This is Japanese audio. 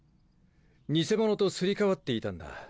偽物とすり替わっていたんだ。